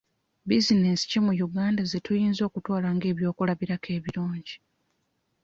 Bizinensi ki mu Uganda ze tuyinza okutwala ng'ebyokulabirako ebirungi?